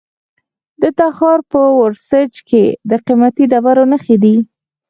د تخار په ورسج کې د قیمتي ډبرو نښې دي.